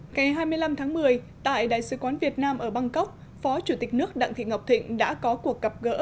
ngày hai mươi năm tháng một mươi tại đại sứ quán việt nam ở bangkok phó chủ tịch nước đặng thị ngọc thịnh đã có cuộc gặp gỡ